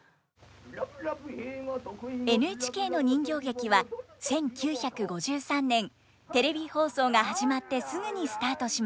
ＮＨＫの人形劇は１９５３年テレビ放送が始まってすぐにスタートしました。